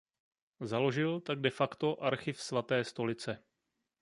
Založil tak de facto Archiv svaté stolice.